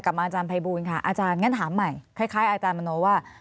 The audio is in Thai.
มาอาจารย์ภัยบูลค่ะอาจารย์งั้นถามใหม่คล้ายอาจารย์มโนว่า